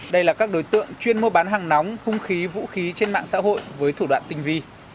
đây là các đối tượng chuyên mua bán hàng nóng hung khí vũ khí trên mạng xã hội với thủ đoạn tinh vi